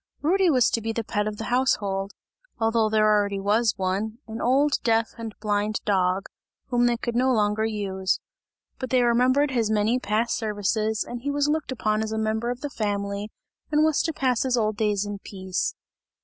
Rudy was to be the pet of the household, although there already was one, an old deaf and blind dog, whom they could no longer use; but they remembered his many past services and he was looked upon as a member of the family and was to pass his old days in peace.